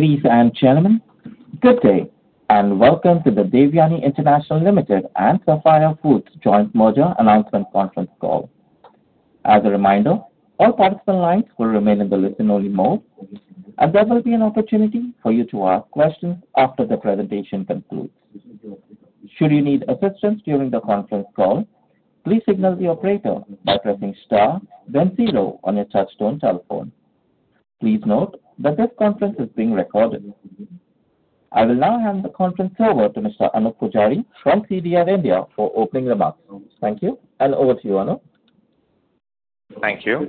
Ladies and gentlemen, good day, and welcome to the Devyani International Limited and Sapphire Foods Joint Merger Announcement Conference call. As a reminder, all participant lines will remain in the listen-only mode, and there will be an opportunity for you to ask questions after the presentation concludes. Should you need assistance during the conference call, please signal the operator by pressing star, then zero on your touch-tone telephone. Please note that this conference is being recorded. I will now hand the conference over to Mr. Anoop Poojari from CDR India for opening remarks. Thank you, and over to you, Anup. Thank you.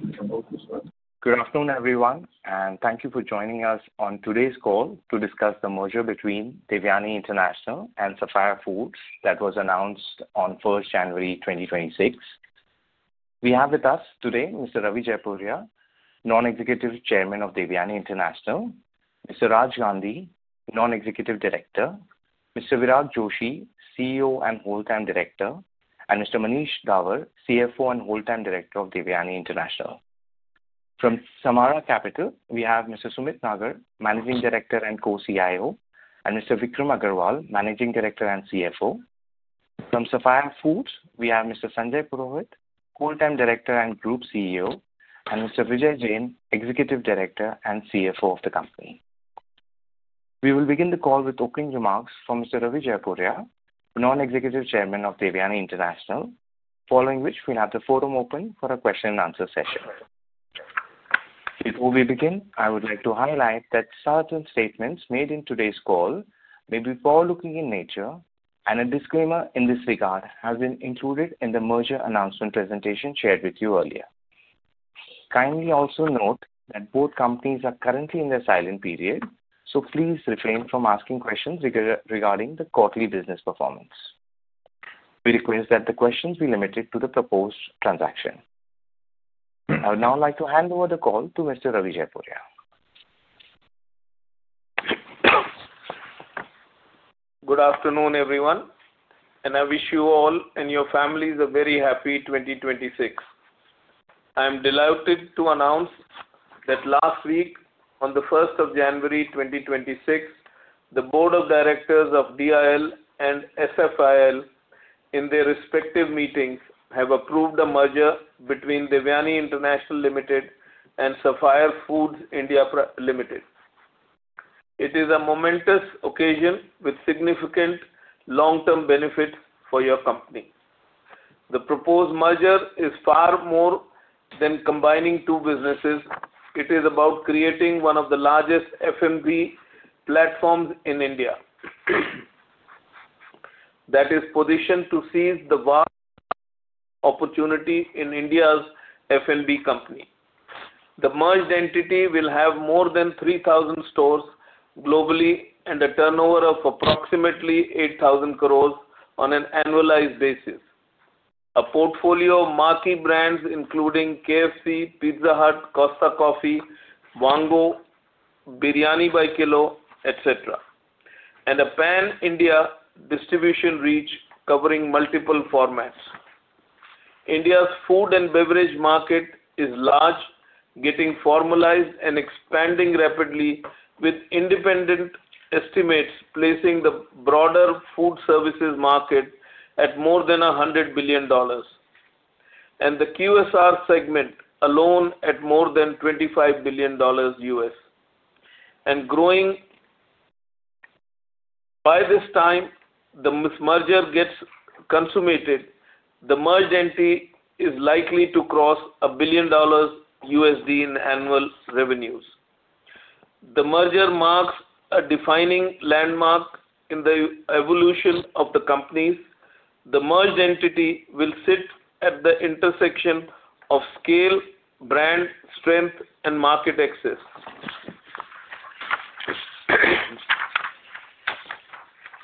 Good afternoon, everyone, and thank you for joining us on today's call to discuss the merger between Devyani International and Sapphire Foods that was announced on January 1st, 2026. We have with us today Mr. Ravi Jaipuria, Non-Executive Chairman of Devyani International, Mr. Raj Gandhi, Non-Executive Director, Mr. Virag Joshi, CEO and Whole-time Director, and Mr. Manish Dawar, CFO and Whole-time Director of Devyani International. From Samara Capital, we have Mr. Sumeet Narang, Managing Director and Co-CIO, and Mr. Vikram Agarwal, Managing Director and CFO. From Sapphire Foods, we have Mr. Sanjay Purohit, Whole-time Director and Group CEO, and Mr. Vijay Jain, Executive Director and CFO of the company. We will begin the call with opening remarks from Mr. Ravi Jaipuria, Non-Executive Chairman of Devyani International, following which we'll have the forum open for a question-and-answer session. Before we begin, I would like to highlight that certain statements made in today's call may be forward-looking in nature, and a disclaimer in this regard has been included in the merger announcement presentation shared with you earlier. Kindly also note that both companies are currently in their silent period, so please refrain from asking questions regarding the quarterly business performance. We request that the questions be limited to the proposed transaction. I would now like to hand over the call to Mr. Ravi Jaipuria. Good afternoon, everyone, and I wish you all and your families a very happy 2026. I am delighted to announce that last week, on the January 1st, 2026, the Board of Directors of DIL and SFIL, in their respective meetings, have approved the merger between Devyani International Limited and Sapphire Foods India Limited. It is a momentous occasion with significant long-term benefits for your company. The proposed merger is far more than combining two businesses. It is about creating one of the largest F&B platforms in India, that is positioned to seize the vast opportunity in India's F&B company. The merged entity will have more than 3,000 stores globally and a turnover of approximately 8,000 crores on an annualized basis, a portfolio of marquee brands including KFC, Pizza Hut, Costa Coffee, Vaango, Biryani by Kilo, etc., and a pan-India distribution reach covering multiple formats. India's food and beverage market is large, getting formalized and expanding rapidly, with independent estimates placing the broader food services market at more than $100 billion, and the QSR segment alone at more than $25 billion and growing. By this time, the merger gets consummated, the merged entity is likely to cross $1 billion in annual revenues. The merger marks a defining landmark in the evolution of the companies. The merged entity will sit at the intersection of scale, brand strength, and market access.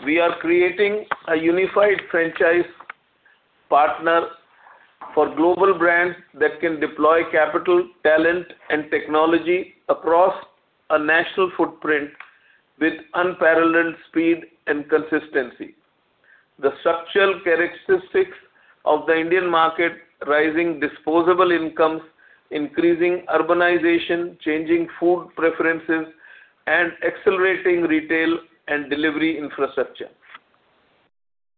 We are creating a unified franchise partner for global brands that can deploy capital, talent, and technology across a national footprint with unparalleled speed and consistency. The structural characteristics of the Indian market, rising disposable incomes, increasing urbanization, changing food preferences, and accelerating retail and delivery infrastructure,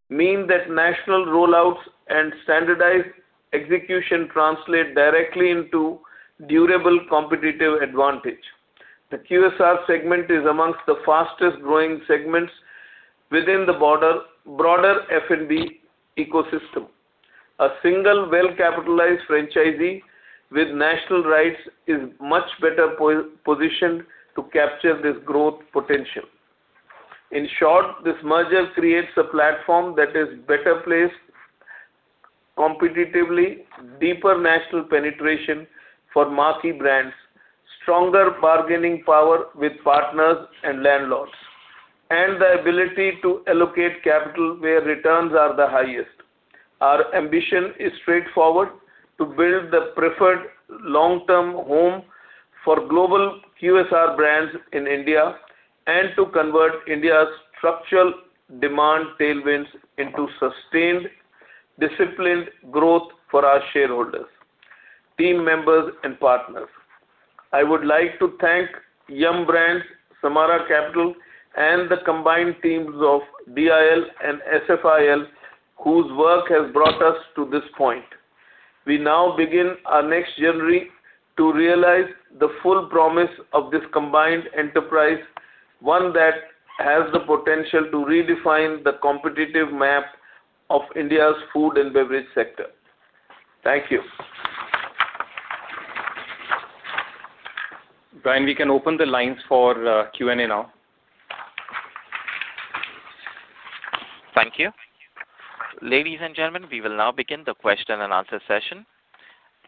mean that national rollouts and standardized execution translate directly into durable competitive advantage. The QSR segment is among the fastest-growing segments within the broader F&B ecosystem. A single well-capitalized franchisee with national rights is much better positioned to capture this growth potential. In short, this merger creates a platform that is better placed competitively, deeper national penetration for marquee brands, stronger bargaining power with partners and landlords, and the ability to allocate capital where returns are the highest. Our ambition is straightforward: to build the preferred long-term home for global QSR brands in India and to convert India's structural demand tailwinds into sustained, disciplined growth for our shareholders, team members, and partners. I would like to thank Yum Brands, Samara Capital, and the combined teams of DIL and SFIL, whose work has brought us to this point. We now begin our next journey to realize the full promise of this combined enterprise, one that has the potential to redefine the competitive map of India's food and beverage sector. Thank you. Ravi, can we open the lines for Q&A now? Thank you. Ladies and gentlemen, we will now begin the question-and-answer session.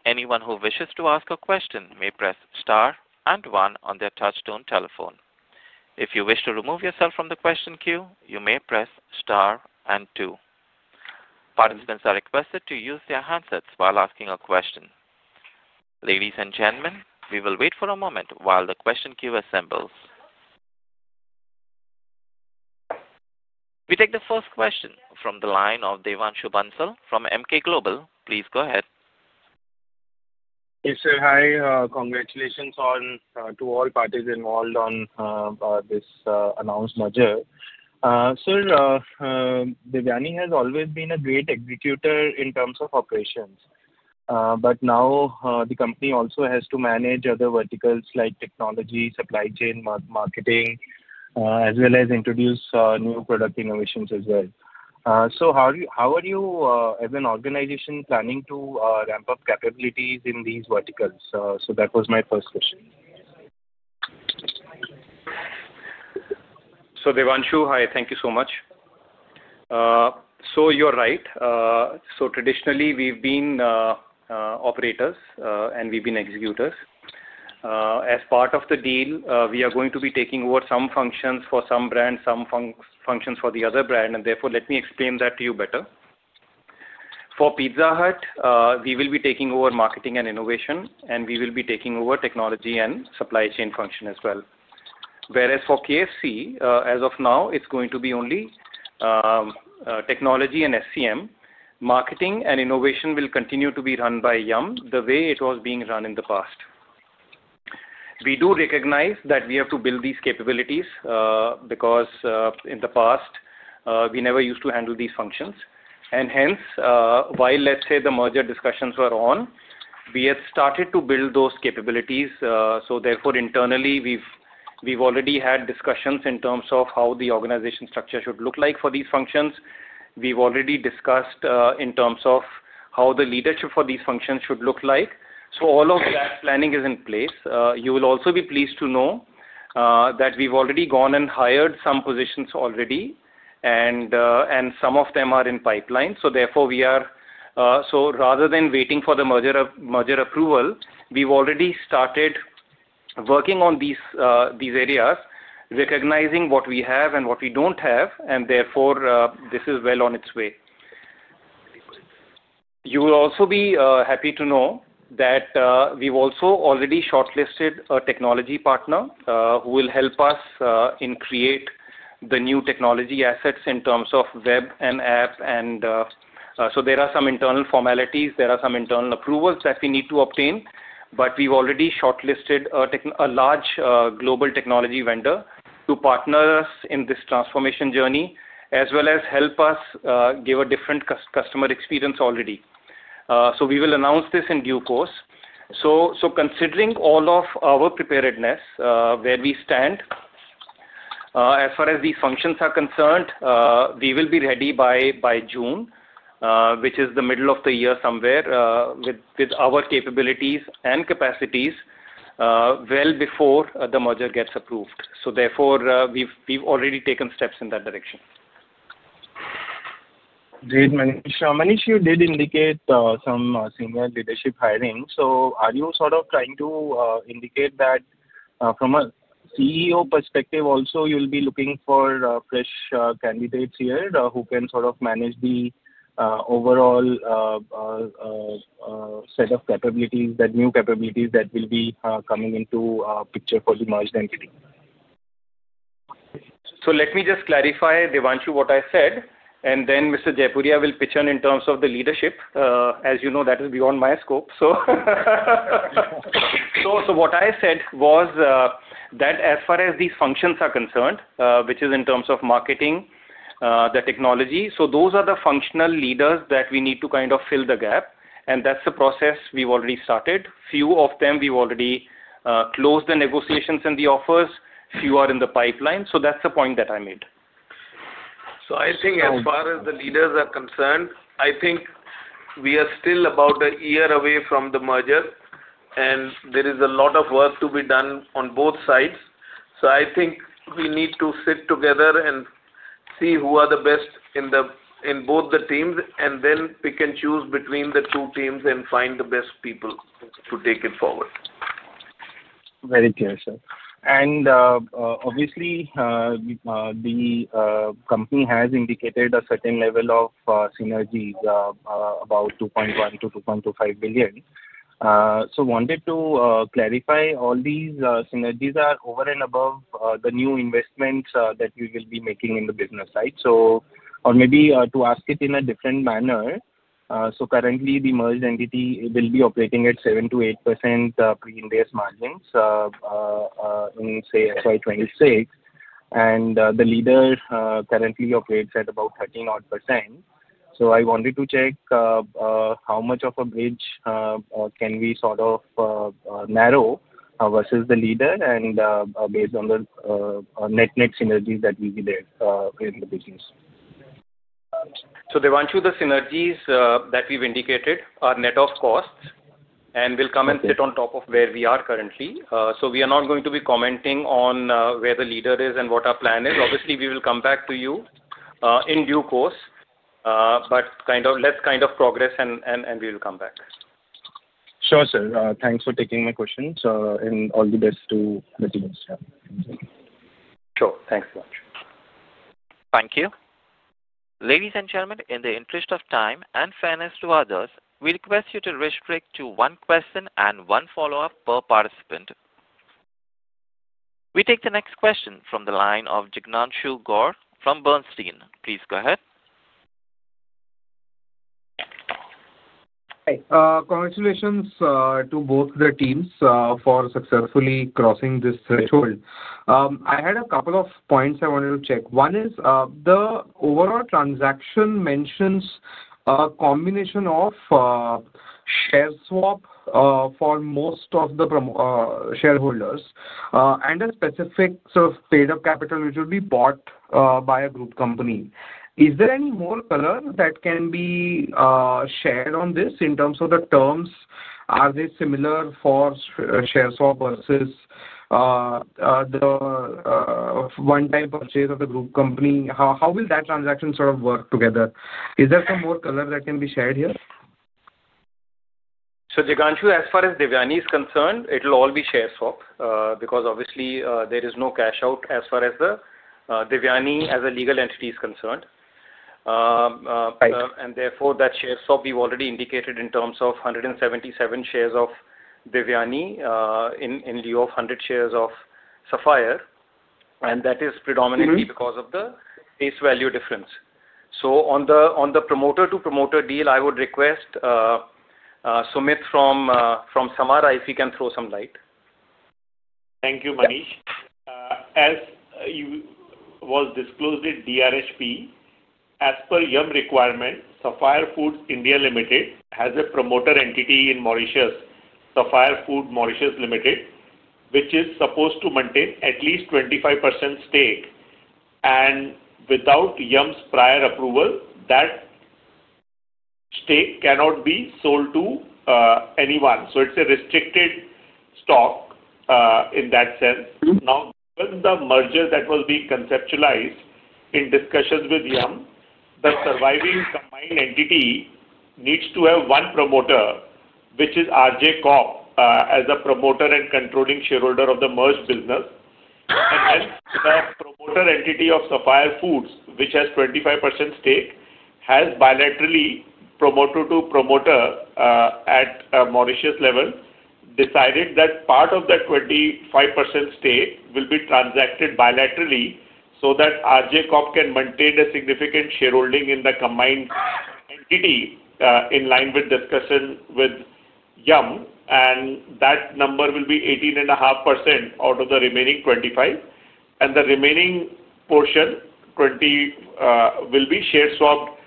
Anyone who wishes to ask a question may press star and one on their touch-tone telephone. If you wish to remove yourself from the question queue, you may press star and two. Participants are requested to use their handsets while asking a question. Ladies and gentlemen, we will wait for a moment while the question queue assembles. We take the first question from the line of Devanshu Bansal from Emkay Global. Please go ahead. Yes, sir. Hi. Congratulations to all parties involved in this announced merger. Sir, Devyani has always been a great executor in terms of operations, but now the company also has to manage other verticals like technology, supply chain, marketing, as well as introduce new product innovations as well. So how are you, as an organization, planning to ramp up capabilities in these verticals? So that was my first question. So Devanshu, hi. Thank you so much. You're right. Traditionally, we've been operators, and we've been executors. As part of the deal, we are going to be taking over some functions for some brands, some functions for the other brand. Therefore, let me explain that to you better. For Pizza Hut, we will be taking over marketing and innovation, and we will be taking over technology and supply chain function as well. Whereas for KFC, as of now, it's going to be only technology and SCM. Marketing and innovation will continue to be run by Yum the way it was being run in the past. We do recognize that we have to build these capabilities because in the past, we never used to handle these functions. Hence, while let's say the merger discussions were on, we had started to build those capabilities. So therefore, internally, we've already had discussions in terms of how the organization structure should look like for these functions. We've already discussed in terms of how the leadership for these functions should look like. So all of that planning is in place. You will also be pleased to know that we've already gone and hired some positions already, and some of them are in pipeline. So therefore, we are so rather than waiting for the merger approval, we've already started working on these areas, recognizing what we have and what we don't have. And therefore, this is well on its way. You will also be happy to know that we've also already shortlisted a technology partner who will help us in creating the new technology assets in terms of web and app. And so there are some internal formalities. There are some internal approvals that we need to obtain, but we've already shortlisted a large global technology vendor to partner us in this transformation journey, as well as help us give a different customer experience already. So we will announce this in due course. So considering all of our preparedness, where we stand, as far as these functions are concerned, we will be ready by June, which is the middle of the year somewhere, with our capabilities and capacities well before the merger gets approved. So therefore, we've already taken steps in that direction. Great. Manish, Manish, you did indicate some senior leadership hiring, so are you sort of trying to indicate that from a CEO perspective, also, you'll be looking for fresh candidates here who can sort of manage the overall set of capabilities, the new capabilities that will be coming into the picture for the merged entity? So let me just clarify, Devanshu, what I said, and then Mr. Jaipuria will pitch on in terms of the leadership. As you know, that is beyond my scope. So what I said was that as far as these functions are concerned, which is in terms of marketing, the technology, so those are the functional leaders that we need to kind of fill the gap. And that's the process we've already started. Few of them, we've already closed the negotiations and the offers. Few are in the pipeline. So that's the point that I made. So I think as far as the leaders are concerned, I think we are still about a year away from the merger, and there is a lot of work to be done on both sides. So I think we need to sit together and see who are the best in both the teams, and then we can choose between the two teams and find the best people to take it forward. Very clear, sir. And obviously, the company has indicated a certain level of synergies, about 2.1 billion-2.25 billion. So wanted to clarify, all these synergies are over and above the new investments that we will be making in the business side. So or maybe to ask it in a different manner. So currently, the merged entity will be operating at 7-8% pre-Ind AS margins in, say, FY 26. And the leader currently operates at about 13-odd%. So I wanted to check how much of a bridge can we sort of narrow versus the leader and based on the net-net synergies that we did in the business. So Devanshu, the synergies that we've indicated are net of costs, and we'll come and sit on top of where we are currently. So we are not going to be commenting on where the leader is and what our plan is. Obviously, we will come back to you in due course, but let's kind of progress, and we will come back. Sure, sir. Thanks for taking my questions. And all the best to the teams. Sure. Thanks so much. Thank you. Ladies and gentlemen, in the interest of time and fairness to others, we request you to restrict to one question and one follow-up per participant. We take the next question from the line of Jignanshu Gor from Bernstein. Please go ahead. Hi. Congratulations to both the teams for successfully crossing this threshold. I had a couple of points I wanted to check. One is the overall transaction mentions a combination of share swap for most of the shareholders and a specific sort of paid-up capital which will be bought by a group company. Is there any more color that can be shared on this in terms of the terms? Are they similar for share swap versus the one-time purchase of the group company? How will that transaction sort of work together? Is there some more color that can be shared here? So Jignanshu, as far as Devyani is concerned, it will all be share swap because obviously, there is no cash out as far as Devyani as a legal entity is concerned. And therefore, that share swap we've already indicated in terms of 177 shares of Devyani in lieu of 100 shares of Sapphire. And that is predominantly because of the face value difference. So on the promoter-to-promoter deal, I would request Sumit from Samara if he can throw some light. Thank you, Manish. As was disclosed at DRHP, as per Yum requirement, Sapphire Foods India Limited has a promoter entity in Mauritius, Sapphire Foods Mauritius Limited, which is supposed to maintain at least 25% stake. And without Yum's prior approval, that stake cannot be sold to anyone. So it's a restricted stock in that sense. Now, given the merger that was being conceptualized in discussions with Yum, the surviving combined entity needs to have one promoter, which is RJ Corp, as a promoter and controlling shareholder of the merged business. And then the promoter entity of Sapphire Foods, which has 25% stake, has bilaterally promoter-to-promoter at Mauritius level decided that part of the 25% stake will be transacted bilaterally so that RJ Corp can maintain a significant shareholding in the combined entity in line with discussion with Yum. And that number will be 18.5% out of the remaining 25. The remaining portion will be share swapped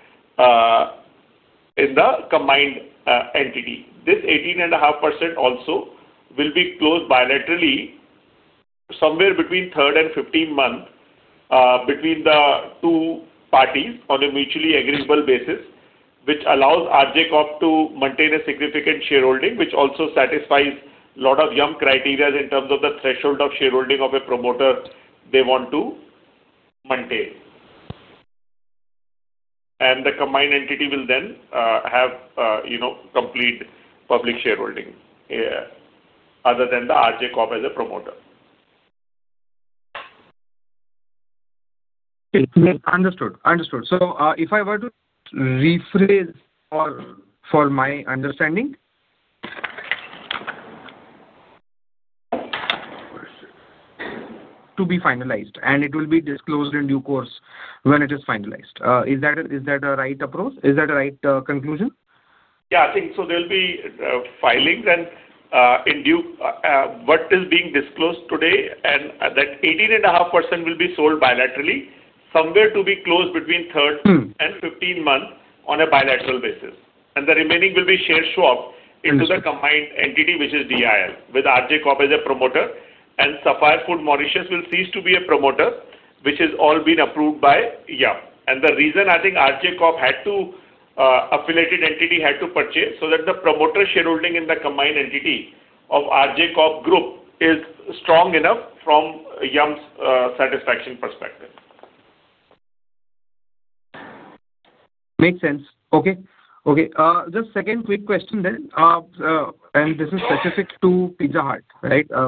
in the combined entity. This 18.5% also will be closed bilaterally somewhere between 3rd and 15th month between the two parties on a mutually agreeable basis, which allows RJ Corp to maintain a significant shareholding, which also satisfies a lot of Yum criteria in terms of the threshold of shareholding of a promoter they want to maintain. The combined entity will then have complete public shareholding other than the RJ Corp as a promoter. Understood. Understood. So if I were to rephrase for my understanding, to be finalized, and it will be disclosed in due course when it is finalized. Is that a right approach? Is that a right conclusion? Yeah, I think so. There'll be filings and in due course what is being disclosed today, and that 18.5% will be sold bilaterally, somewhere to be closed between 3rd and 15th month on a bilateral basis. The remaining will be share swapped into the combined entity, which is DIL, with RJ Corp as a promoter. Sapphire Foods Mauritius will cease to be a promoter, which has all been approved by Yum. The reason I think RJ Corp had its affiliated entity purchase so that the promoter shareholding in the combined entity of RJ Corp Group is strong enough from Yum's satisfaction perspective. Makes sense. Okay. Okay. Just a second quick question then. And this is specific to Pizza Hut, right? There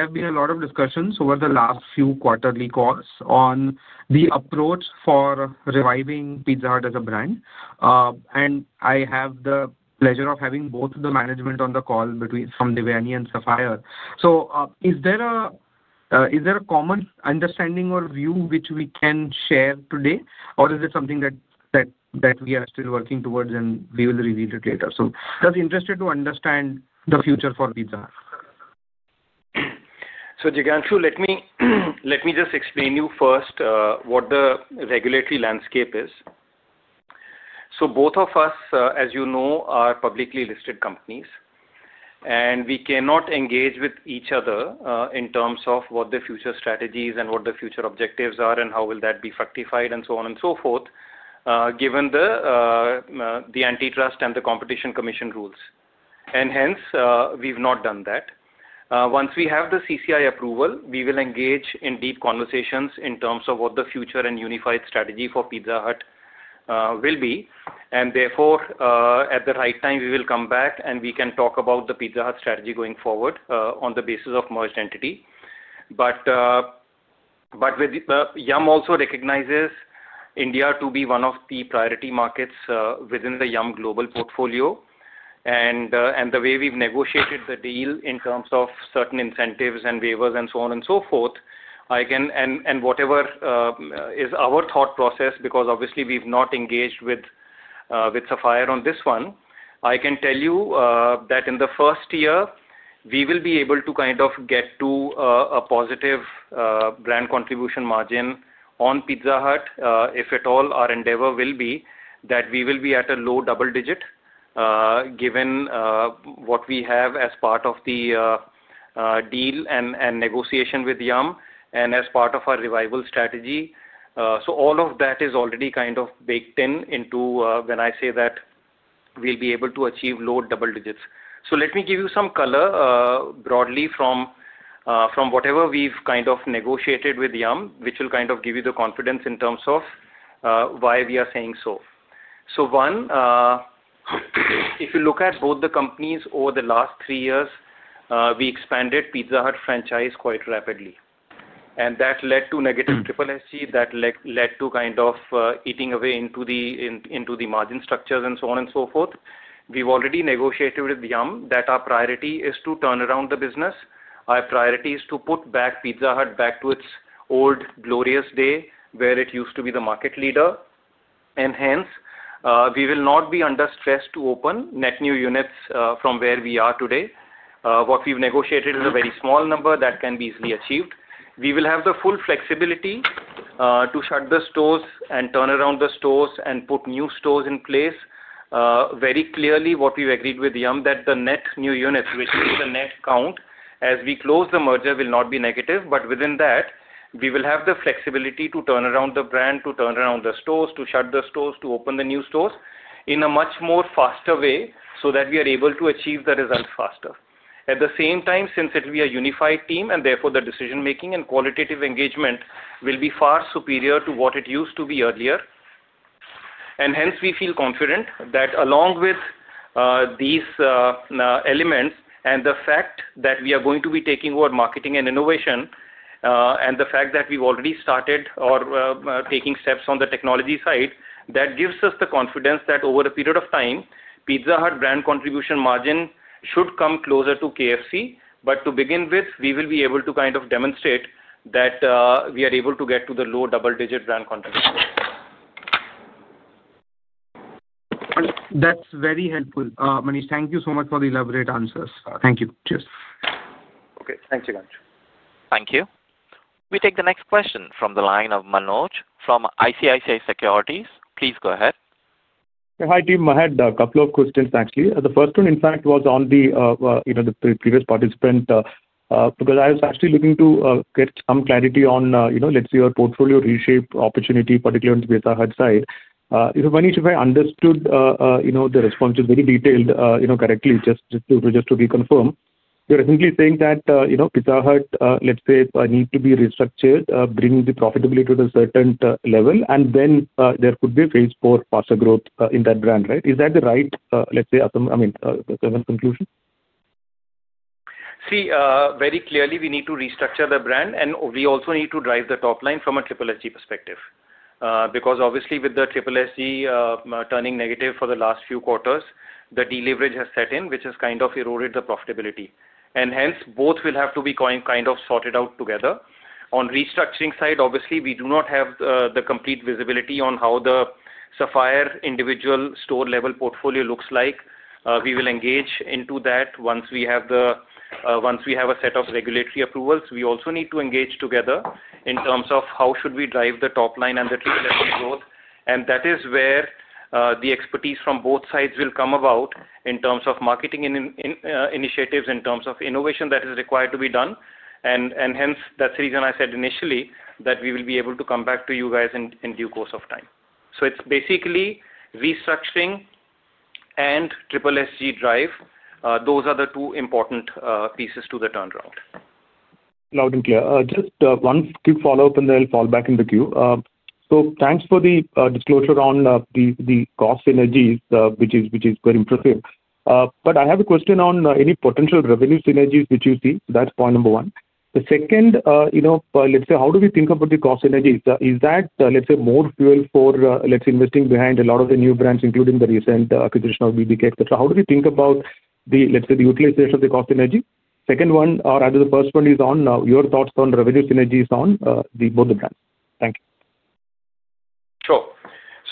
have been a lot of discussions over the last few quarterly calls on the approach for reviving Pizza Hut as a brand. And I have the pleasure of having both the management on the call from Devyani and Sapphire. So is there a common understanding or view which we can share today, or is it something that we are still working towards, and we will reveal it later? So just interested to understand the future for Pizza. So Jignanshu, let me just explain to you first what the regulatory landscape is. So both of us, as you know, are publicly listed companies. And we cannot engage with each other in terms of what the future strategies and what the future objectives are and how will that be fructified and so on and so forth, given the antitrust and the competition commission rules. And hence, we've not done that. Once we have the CCI approval, we will engage in deep conversations in terms of what the future and unified strategy for Pizza Hut will be. And therefore, at the right time, we will come back, and we can talk about the Pizza Hut strategy going forward on the basis of merged entity. But Yum also recognizes India to be one of the priority markets within the Yum global portfolio. The way we've negotiated the deal in terms of certain incentives and waivers and so on and so forth, and whatever is our thought process, because obviously, we've not engaged with Sapphire on this one, I can tell you that in the first year, we will be able to kind of get to a positive brand contribution margin on Pizza Hut, if at all our endeavor will be, that we will be at a low double digit given what we have as part of the deal and negotiation with Yum and as part of our revival strategy. So all of that is already kind of baked in into when I say that we'll be able to achieve low double digits. So let me give you some color broadly from whatever we've kind of negotiated with Yum, which will kind of give you the confidence in terms of why we are saying so. So one, if you look at both the companies over the last three years, we expanded Pizza Hut franchise quite rapidly. And that led to negative SSSG. That led to kind of eating away into the margin structures and so on and so forth. We've already negotiated with Yum that our priority is to turn around the business. Our priority is to put back Pizza Hut back to its old glorious day where it used to be the market leader. And hence, we will not be under stress to open net-new units from where we are today. What we've negotiated is a very small number that can be easily achieved. We will have the full flexibility to shut the stores and turn around the stores and put new stores in place. Very clearly, what we've agreed with Yum that the net-new units, which is the net count as we close the merger, will not be negative. But within that, we will have the flexibility to turn around the brand, to turn around the stores, to shut the stores, to open the new stores in a much more faster way so that we are able to achieve the result faster. At the same time, since it will be a unified team, and therefore, the decision-making and qualitative engagement will be far superior to what it used to be earlier. Hence, we feel confident that along with these elements and the fact that we are going to be taking over marketing and innovation and the fact that we've already started taking steps on the technology side, that gives us the confidence that over a period of time, Pizza Hut Brand Contribution Margin should come closer to KFC. But to begin with, we will be able to kind of demonstrate that we are able to get to the low double-digit brand contribution. That's very helpful, Manish. Thank you so much for the elaborate answers. Thank you. Cheers. Okay. Thanks, Jignanshu. Thank you. We take the next question from the line of Manoj from ICICI Securities. Please go ahead. Hi, team. I had a couple of questions, actually. The first one, in fact, was on the previous participant because I was actually looking to get some clarity on, let's say, our portfolio reshape opportunity, particularly on the Pizza Hut side. If Manish, if I understood the response very detailed correctly, just to reconfirm, you're simply saying that Pizza Hut, let's say, needs to be restructured, bring the profitability to a certain level, and then there could be a phase four faster growth in that brand, right? Is that the right, let's say, I mean, conclusion? See, very clearly, we need to restructure the brand, and we also need to drive the top line from an SSSG perspective because obviously, with the SSSG turning negative for the last few quarters, the deleverage has set in, which has kind of eroded the profitability, and hence both will have to be kind of sorted out together. On restructuring side, obviously, we do not have the complete visibility on how the Sapphire individual store-level portfolio looks like. We will engage into that once we have a set of regulatory approvals. We also need to engage together in terms of how should we drive the top line and the SSSG growth, and that is where the expertise from both sides will come about in terms of marketing initiatives, in terms of innovation that is required to be done. And hence, that's the reason I said initially that we will be able to come back to you guys in due course of time. So it's basically restructuring and SSSG drive. Those are the two important pieces to the turnaround. Loud and clear. Just one quick follow-up, and then I'll fall back in the queue. So thanks for the disclosure on the cost synergies, which is very impressive. But I have a question on any potential revenue synergies that you see. That's point number one. The second, let's say, how do we think about the cost synergies? Is that, let's say, more fuel for, let's say, investing behind a lot of the new brands, including the recent acquisition of BBK, etc.? How do we think about the, let's say, the utilization of the cost synergy? Second one, or either the first one is on now. Your thoughts on revenue synergies on both the brands. Thank you. Sure.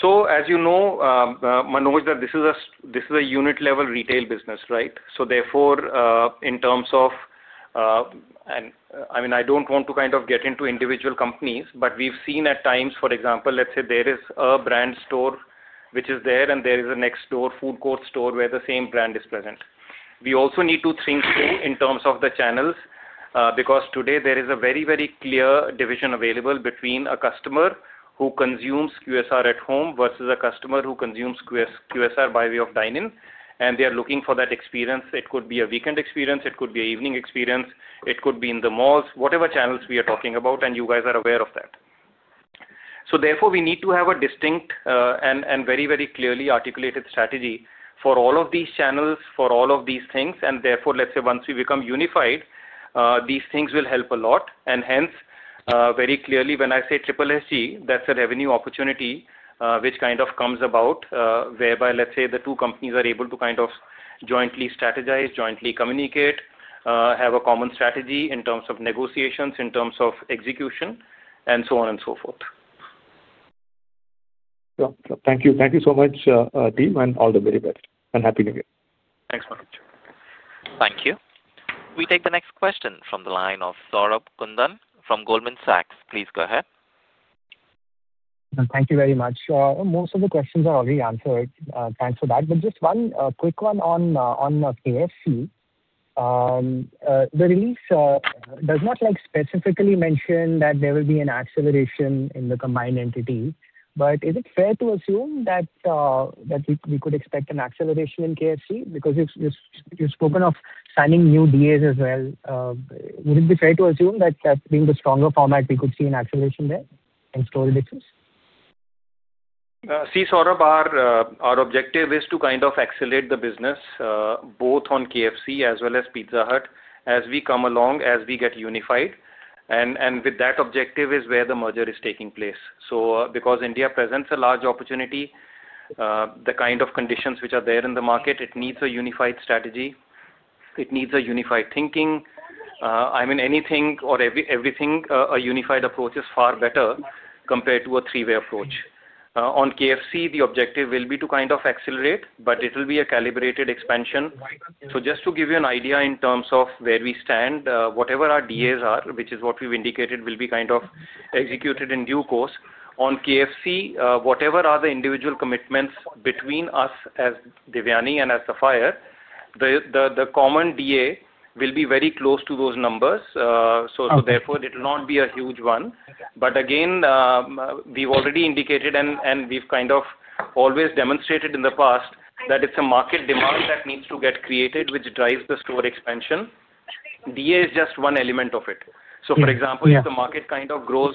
So as you know, Manoj, that this is a unit-level retail business, right? So therefore, in terms of, I mean, I don't want to kind of get into individual companies, but we've seen at times, for example, let's say there is a brand store which is there, and there is a next-door food court store where the same brand is present. We also need to think in terms of the channels because today, there is a very, very clear division available between a customer who consumes QSR at home versus a customer who consumes QSR by way of dine-in. And they are looking for that experience. It could be a weekend experience. It could be an evening experience. It could be in the malls, whatever channels we are talking about, and you guys are aware of that. So therefore, we need to have a distinct and very, very clearly articulated strategy for all of these channels, for all of these things. And therefore, let's say, once we become unified, these things will help a lot. And hence, very clearly, when I say SSSG, that's a revenue opportunity which kind of comes about whereby, let's say, the two companies are able to kind of jointly strategize, jointly communicate, have a common strategy in terms of negotiations, in terms of execution, and so on and so forth. Thank you. Thank you so much, team, and all the very best and happy New Year. Thanks, Manoj. Thank you. We take the next question from the line of Saurabh Kundan from Goldman Sachs. Please go ahead. Thank you very much. Most of the questions are already answered. Thanks for that. But just one quick one on KFC. The release does not specifically mention that there will be an acceleration in the combined entity. But is it fair to assume that we could expect an acceleration in KFC? Because you've spoken of signing new DAs as well. Would it be fair to assume that being the stronger format, we could see an acceleration there in store initiatives? See, Saurabh, our objective is to kind of accelerate the business both on KFC as well as Pizza Hut as we come along, as we get unified, and with that objective is where the merger is taking place, so because India presents a large opportunity, the kind of conditions which are there in the market, it needs a unified strategy. It needs a unified thinking. I mean, anything or everything, a unified approach is far better compared to a three-way approach. On KFC, the objective will be to kind of accelerate, but it will be a calibrated expansion, so just to give you an idea in terms of where we stand, whatever our DAs are, which is what we've indicated, will be kind of executed in due course. On KFC, whatever are the individual commitments between us as Devyani and as Sapphire, the common DA will be very close to those numbers. So therefore, it will not be a huge one. But again, we've already indicated, and we've kind of always demonstrated in the past that it's a market demand that needs to get created, which drives the store expansion. DA is just one element of it. So for example, if the market kind of grows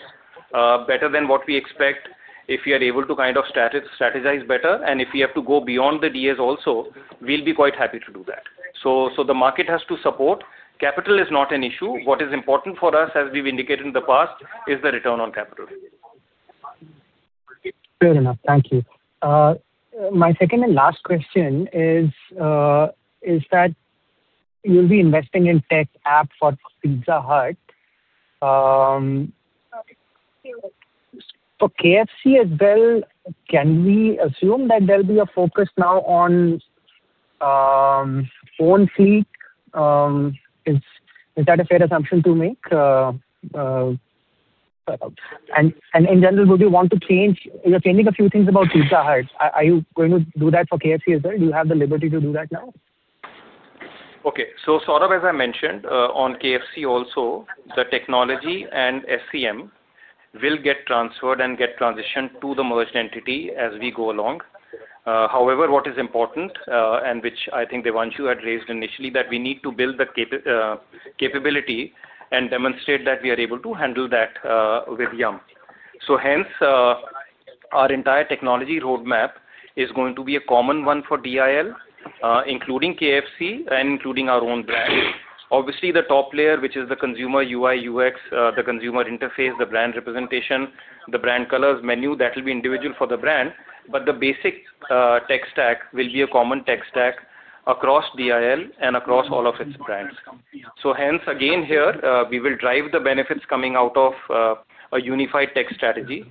better than what we expect, if we are able to kind of strategize better, and if we have to go beyond the DAs also, we'll be quite happy to do that. So the market has to support. Capital is not an issue. What is important for us, as we've indicated in the past, is the return on capital. Fair enough. Thank you. My second and last question is that you'll be investing in tech app for Pizza Hut. For KFC as well, can we assume that there'll be a focus now on own fleet? Is that a fair assumption to make? And in general, would you want to change? You're changing a few things about Pizza Hut. Are you going to do that for KFC as well? Do you have the liberty to do that now? Okay. So Saurabh, as I mentioned, on KFC also, the technology and SCM will get transferred and get transitioned to the merged entity as we go along. However, what is important and which I think Devanshu had raised initially, that we need to build the capability and demonstrate that we are able to handle that with Yum. So hence, our entire technology roadmap is going to be a common one for DIL, including KFC and including our own brand. Obviously, the top layer, which is the consumer UI, UX, the consumer interface, the brand representation, the brand colors, menu, that will be individual for the brand. But the basic tech stack will be a common tech stack across DIL and across all of its brands. So hence, again here, we will drive the benefits coming out of a unified tech strategy.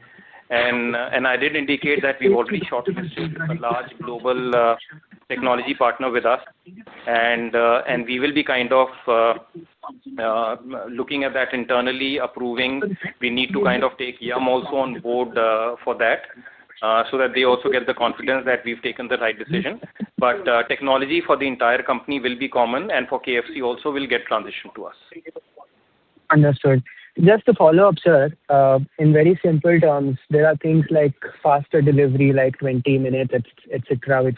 I did indicate that we've already shortlisted a large global technology partner with us. We will be kind of looking at that internally, approving. We need to kind of take Yum also on board for that so that they also get the confidence that we've taken the right decision. Technology for the entire company will be common, and for KFC also, will get transitioned to us. Understood. Just to follow up, sir, in very simple terms, there are things like faster delivery, like 20 minutes, etc., which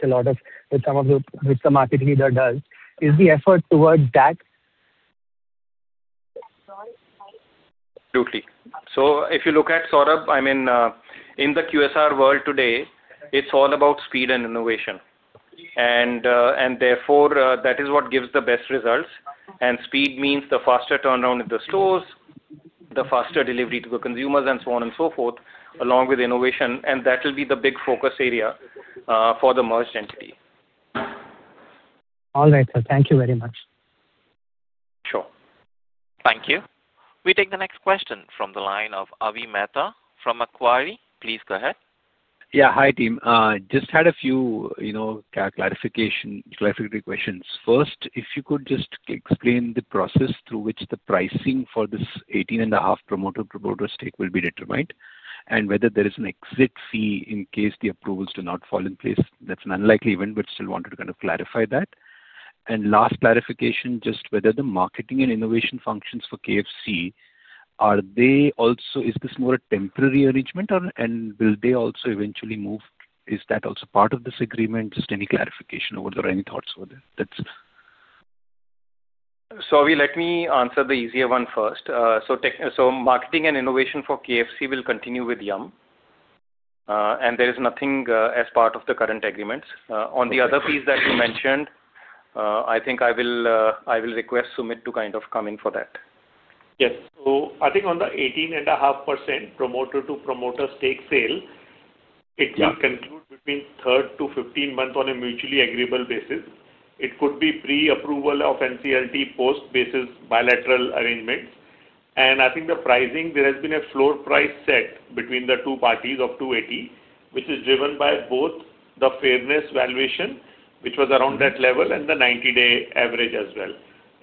some of the market leader does. Is the effort towards that? Absolutely. So if you look at Saurabh, I mean, in the QSR world today, it's all about speed and innovation. And therefore, that is what gives the best results. And speed means the faster turnaround in the stores, the faster delivery to the consumers, and so on and so forth, along with innovation. And that will be the big focus area for the merged entity. All right, sir. Thank you very much. Sure. Thank you. We take the next question from the line of Avi Mehta from Macquarie. Please go ahead. Yeah. Hi, team. Just had a few clarification questions. First, if you could just explain the process through which the pricing for this 18-and-a-half promoter-to-promoter stake will be determined and whether there is an exit fee in case the approvals do not fall in place. That's an unlikely event, but still wanted to kind of clarify that. And last clarification, just whether the marketing and innovation functions for KFC is this more a temporary arrangement, and will they also eventually move. Is that also part of this agreement? Just any clarification over there or any thoughts over there? So let me answer the easier one first. So marketing and innovation for KFC will continue with Yum, and there is nothing as part of the current agreements. On the other piece that you mentioned, I think I will request Sumit to kind of come in for that. Yes. So I think on the 18.5% promoter-to-promoter stake sale, it will be concluded between 3-15 months on a mutually agreeable basis. It could be pre-approval of NCLT post basis bilateral arrangements. And I think the pricing, there has been a floor price set between the two parties of 280, which is driven by both the fairness valuation, which was around that level, and the 90-day average as well.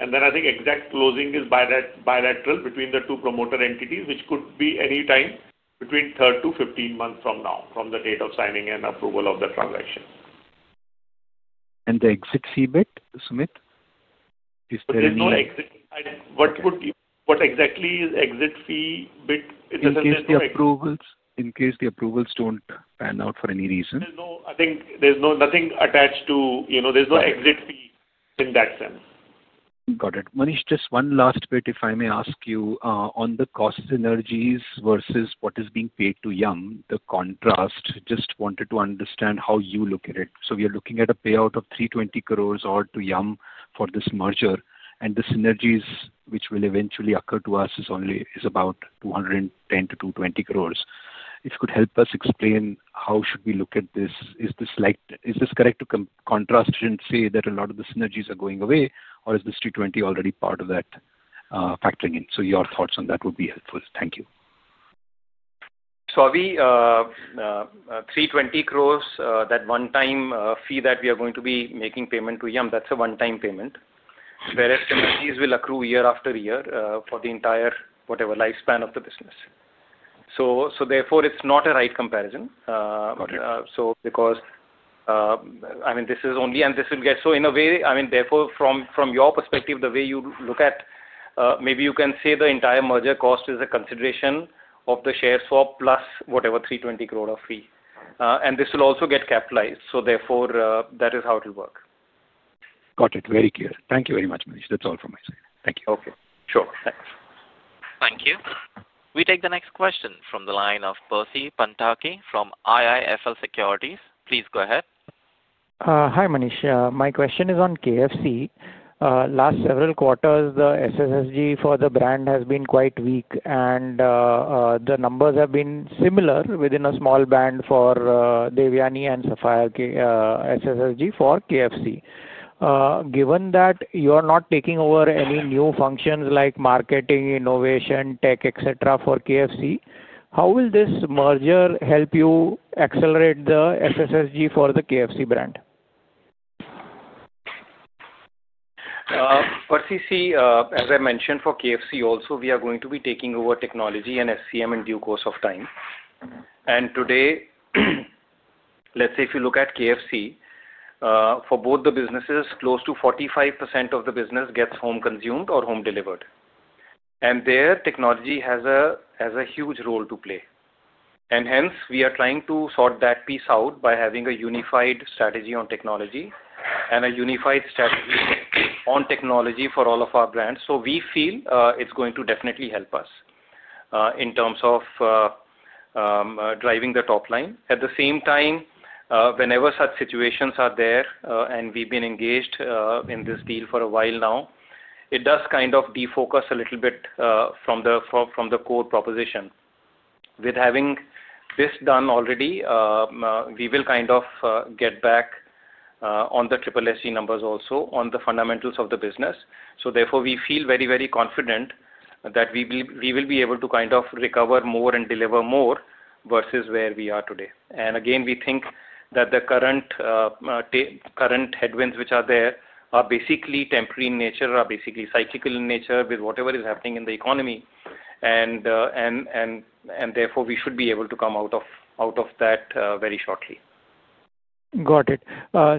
And then I think exact closing is bilateral between the two promoter entities, which could be anytime between 3-15 months from now, from the date of signing and approval of the transaction. The exit fee bit, Sumit? Is there any? What exactly is exit fee bit? In case the approvals don't pan out for any reason. There's nothing attached to. There's no exit fee in that sense. Got it. Manish, just one last bit, if I may ask you, on the cost synergies versus what is being paid to Yum, the contrast, just wanted to understand how you look at it. So we are looking at a payout of 320 crores to Yum for this merger, and the synergies which will eventually occur to us is about 210-220 crores. If you could help us explain how should we look at this? Is this correct to contrast and say that a lot of the synergies are going away, or is this 320 already part of that factoring in? So your thoughts on that would be helpful. Thank you. 320 crores, that one-time fee that we are going to be making payment to Yum, that's a one-time payment, whereas synergies will accrue year after year for the entire, whatever, lifespan of the business. Therefore, it's not a right comparison. Because, I mean, this is only, and this will get so in a way, I mean, therefore, from your perspective, the way you look at, maybe you can say the entire merger cost is a consideration of the share swap plus whatever, 320 crore of fee. And this will also get capitalized. Therefore, that is how it will work. Got it. Very clear. Thank you very much, Manish. That's all from my side. Thank you. Okay. Sure. Thanks. Thank you. We take the next question from the line of Percy Panthaki from IIFL Securities. Please go ahead. Hi, Manish. My question is on KFC. Last several quarters, the SSSG for the brand has been quite weak, and the numbers have been similar within a small band for Devyani and Sapphire SSSG for KFC. Given that you are not taking over any new functions like marketing, innovation, tech, etc. for KFC, how will this merger help you accelerate the SSSG for the KFC brand? Percy C, as I mentioned, for KFC also, we are going to be taking over technology and SCM in due course of time. And today, let's say if you look at KFC, for both the businesses, close to 45% of the business gets home consumed or home delivered. And there, technology has a huge role to play. And hence, we are trying to sort that piece out by having a unified strategy on technology and a unified strategy on technology for all of our brands. So we feel it's going to definitely help us in terms of driving the top line. At the same time, whenever such situations are there, and we've been engaged in this deal for a while now, it does kind of defocus a little bit from the core proposition. With having this done already, we will kind of get back on the Triple SG numbers also on the fundamentals of the business, so therefore, we feel very, very confident that we will be able to kind of recover more and deliver more versus where we are today, and again, we think that the current headwinds which are there are basically temporary in nature, are basically cyclical in nature with whatever is happening in the economy, and therefore, we should be able to come out of that very shortly. Got it.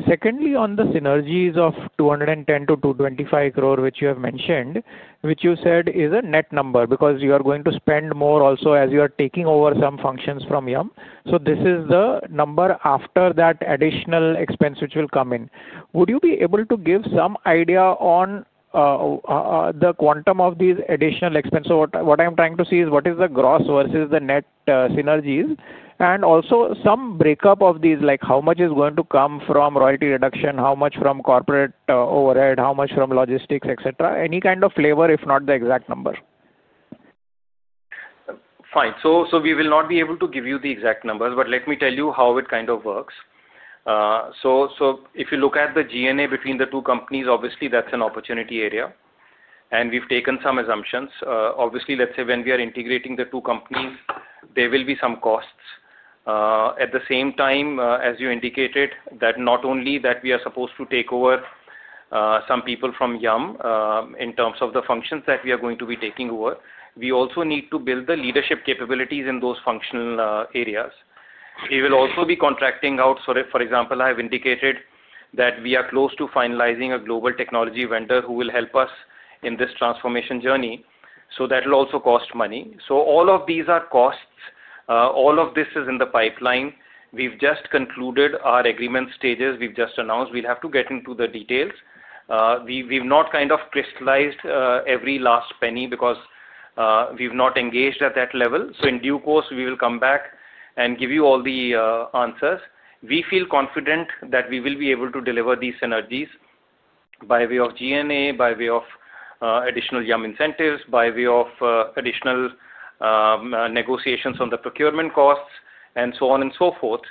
Secondly, on the synergies of 210-225 crore, which you have mentioned, which you said is a net number because you are going to spend more also as you are taking over some functions from Yum. So this is the number after that additional expense which will come in. Would you be able to give some idea on the quantum of these additional expenses? So what I'm trying to see is what is the gross versus the net synergies and also some breakup of these, like how much is going to come from royalty reduction, how much from corporate overhead, how much from logistics, etc.? Any kind of flavor, if not the exact number? Fine, so we will not be able to give you the exact numbers, but let me tell you how it kind of works, so if you look at the G&A between the two companies, obviously, that's an opportunity area, and we've taken some assumptions. Obviously, let's say when we are integrating the two companies, there will be some costs. At the same time, as you indicated, that not only that we are supposed to take over some people from Yum in terms of the functions that we are going to be taking over, we also need to build the leadership capabilities in those functional areas. We will also be contracting out. For example, I have indicated that we are close to finalizing a global technology vendor who will help us in this transformation journey, so that will also cost money, so all of these are costs. All of this is in the pipeline. We've just concluded our agreement stages. We've just announced. We'll have to get into the details. We've not kind of crystallized every last penny because we've not engaged at that level. So in due course, we will come back and give you all the answers. We feel confident that we will be able to deliver these synergies by way of G&A, by way of additional Yum incentives, by way of additional negotiations on the procurement costs, and so on and so forth.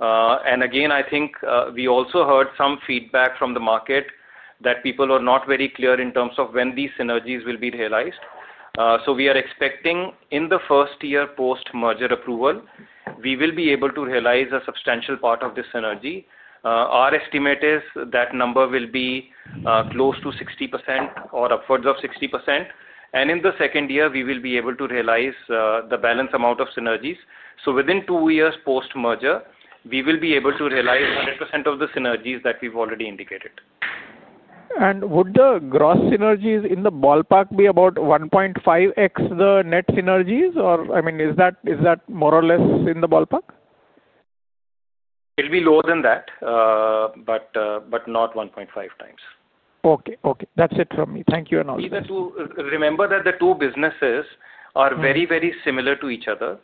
And again, I think we also heard some feedback from the market that people are not very clear in terms of when these synergies will be realized. So we are expecting in the first year post-merger approval, we will be able to realize a substantial part of this synergy. Our estimate is that number will be close to 60% or upwards of 60%. And in the second year, we will be able to realize the balance amount of synergies. So within two years post-merger, we will be able to realize 100% of the synergies that we've already indicated. Would the gross synergies in the ballpark be about 1.5x the net synergies? Or I mean, is that more or less in the ballpark? It'll be lower than that, but not 1.5 times. Okay. Okay. That's it from me. Thank you and all. Remember that the two businesses are very, very similar to each other.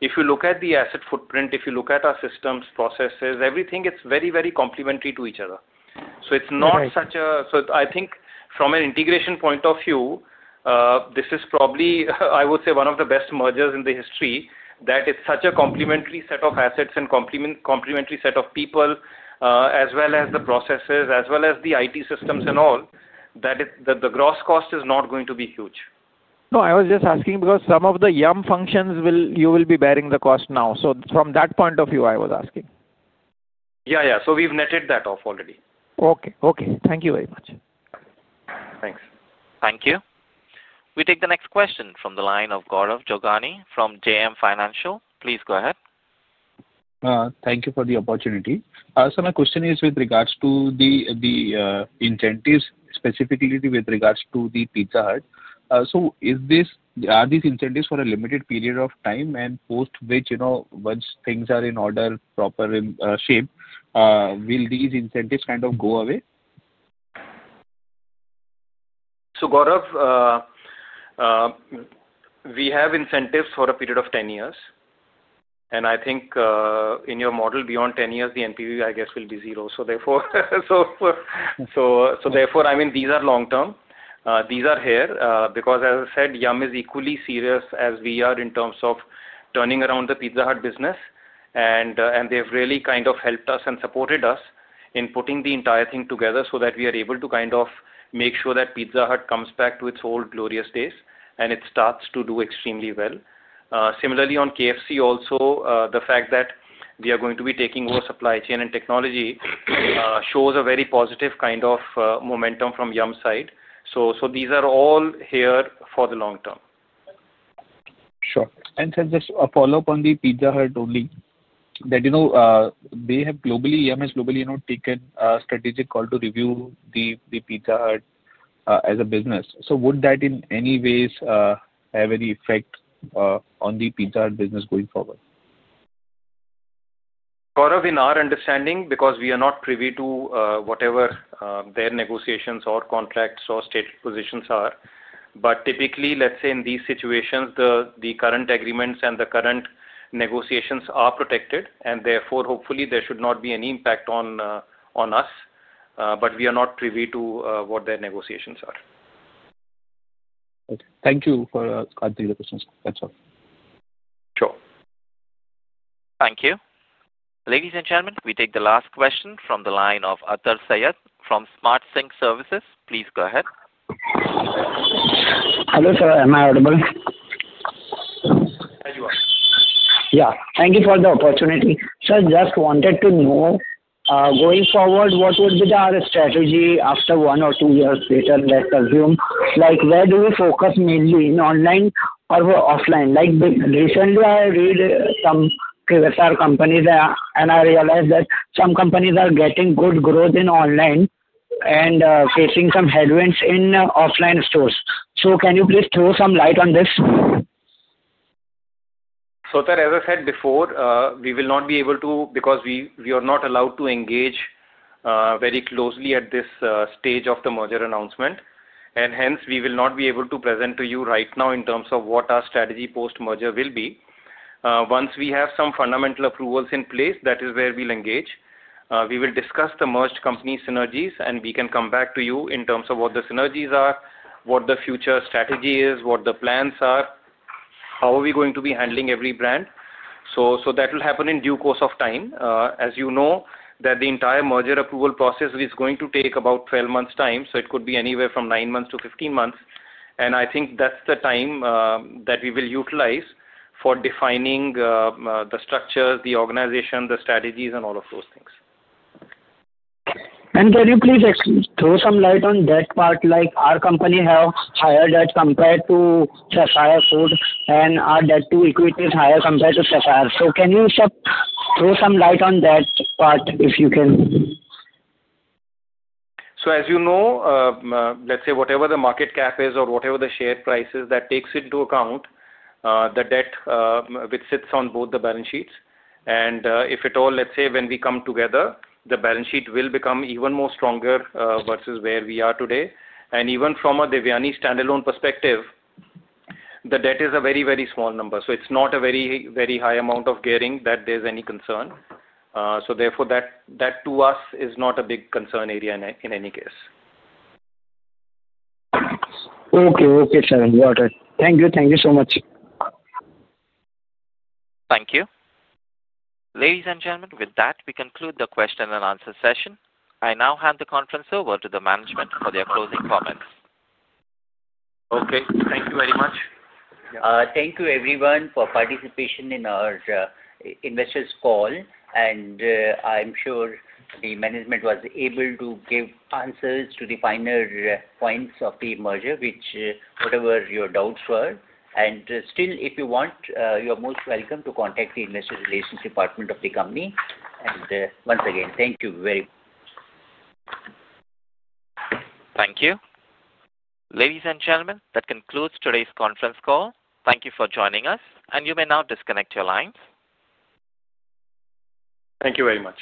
If you look at the asset footprint, if you look at our systems, processes, everything, it's very, very complementary to each other. So it's not such a—so, I think from an integration point of view, this is probably, I would say, one of the best mergers in the history that it's such a complementary set of assets and complementary set of people, as well as the processes, as well as the IT systems and all, that the gross cost is not going to be huge. No, I was just asking because some of the Yum functions you will be bearing the cost now, so from that point of view, I was asking. Yeah. Yeah. So we've netted that off already. Okay. Okay. Thank you very much. Thanks. Thank you. We take the next question from the line of Gaurav Jogani from JM Financial. Please go ahead. Thank you for the opportunity. So my question is with regards to the incentives, specifically with regards to the Pizza Hut. So are these incentives for a limited period of time? And post which, once things are in order, proper shape, will these incentives kind of go away? So Gaurav, we have incentives for a period of 10 years. And I think in your model, beyond 10 years, the NPV, I guess, will be zero. So therefore, I mean, these are long-term. These are here because, as I said, Yum is equally serious as we are in terms of turning around the Pizza Hut business. And they've really kind of helped us and supported us in putting the entire thing together so that we are able to kind of make sure that Pizza Hut comes back to its old glorious days, and it starts to do extremely well. Similarly, on KFC also, the fact that we are going to be taking over supply chain and technology shows a very positive kind of momentum from Yum side. So these are all here for the long term. Sure. And just a follow-up on the Pizza Hut only. They have globally, Yum's globally taken a strategic call to review the Pizza Hut as a business. So would that in any way have any effect on the Pizza Hut business going forward? Gaurav, in our understanding, because we are not privy to whatever their negotiations or contracts or stated positions are. But typically, let's say in these situations, the current agreements and the current negotiations are protected. And therefore, hopefully, there should not be any impact on us. But we are not privy to what their negotiations are. Thank you for answering the questions. That's all. Sure. Thank you. Ladies and gentlemen, we take the last question from the line of Athar Syed from SmartSync Services. Please go ahead. Hello, sir. Am I audible? Yeah. Thank you for the opportunity. Sir, just wanted to know, going forward, what would be our strategy after one or two years later, let's assume? Where do we focus mainly, in online or offline? Recently, I read some QSR companies, and I realized that some companies are getting good growth in online and facing some headwinds in offline stores. So can you please throw some light on this? So sir, as I said before, we will not be able to because we are not allowed to engage very closely at this stage of the merger announcement. And hence, we will not be able to present to you right now in terms of what our strategy post-merger will be. Once we have some fundamental approvals in place, that is where we'll engage. We will discuss the merged company synergies, and we can come back to you in terms of what the synergies are, what the future strategy is, what the plans are, how are we going to be handling every brand. So that will happen in due course of time. As you know, the entire merger approval process is going to take about 12 months' time. So it could be anywhere from 9 months to 15 months. I think that's the time that we will utilize for defining the structures, the organization, the strategies, and all of those things. And can you please throw some light on that part? Our company has higher debt compared to Sapphire Foods, and our debt to equity is higher compared to Sapphire. So can you throw some light on that part if you can? So as you know, let's say whatever the market cap is or whatever the share price is, that takes into account the debt which sits on both the balance sheets. And if at all, let's say when we come together, the balance sheet will become even more stronger versus where we are today. And even from a Devyani standalone perspective, the debt is a very, very small number. So it's not a very, very high amount of gearing that there's any concern. So therefore, that to us is not a big concern area in any case. Okay. Okay, sir. Got it. Thank you. Thank you so much. Thank you. Ladies and gentlemen, with that, we conclude the question and answer session. I now hand the conference over to the management for their closing comments. Okay. Thank you very much. Thank you, everyone, for participating in our investors' call. And I'm sure the management was able to give answers to the final points of the merger, which whatever your doubts were. And still, if you want, you are most welcome to contact the investor relations department of the company. And once again, thank you very much. Thank you. Ladies and gentlemen, that concludes today's conference call. Thank you for joining us. And you may now disconnect your lines. Thank you very much.